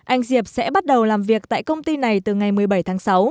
anh diệp sẽ bắt đầu làm việc tại công ty này từ ngày một mươi bảy tháng sáu